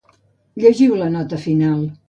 Llegiu la nota final.